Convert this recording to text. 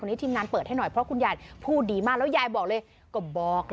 ตอนนี้ทีมงานเปิดให้หน่อยเพราะคุณยายพูดดีมาก